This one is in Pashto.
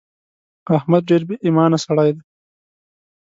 احمد ډېر بې ايمانه سړی دی.